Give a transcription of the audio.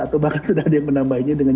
atau bahkan sudah ada yang menambahinya dengan